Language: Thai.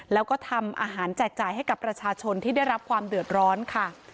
แล้วก็ทำอาหารแจกจ่ายให้กับประชาชนที่ได้รับความเดือดร้อนค่ะ